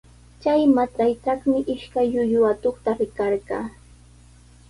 Chay matraytraqmi ishkay llullu atuqta rikarqaa.